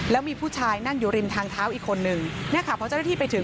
แล้วมีผู้ชายนั่งอยู่ริมทางเท้าอีกคนนึงเนี่ยค่ะพอเจ้าหน้าที่ไปถึง